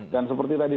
dan seperti tadi